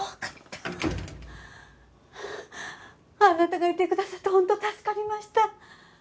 あなたがいてくださって本当助かりました。